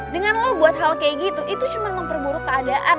dengan lo buat hal kayak gitu itu cuma memperburuk keadaan